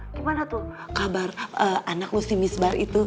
gimana tuh kabar anak lo si miss bar itu